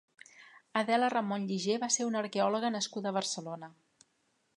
Adela Ramon Lligé va ser una arqueòloga nascuda a Barcelona.